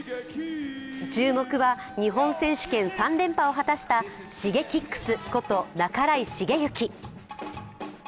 注目は日本選手権３連覇を果たしたＳｈｉｇｅｋｉｘこと半井重幸。